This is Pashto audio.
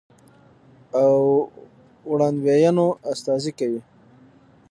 او وړاندوينو استازي کوي،